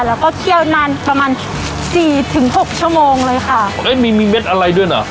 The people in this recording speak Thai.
แล้วก็เคี่ยวนานประมาณสี่ถึงหกชั่วโมงเลยค่ะเอ้ยมีมีเม็ดอะไรด้วยเหรอ